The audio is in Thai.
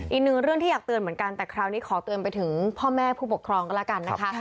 อีกหนึ่งเรื่องที่อยากเตือนเหมือนกันแต่คราวนี้ขอเตือนไปถึงพ่อแม่ผู้ปกครองก็แล้วกันนะคะ